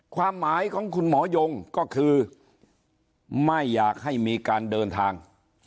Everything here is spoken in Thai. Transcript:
ความหมายของคุณหมอยงก็คือไม่อยากให้มีการเดินทาง